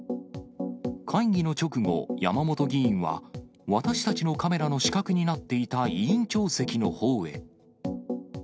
会議の直後、山本議員は、私たちのカメラの死角になっていた委員長席のほうへ。